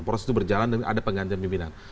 proses itu berjalan dan ada penggantian pimpinan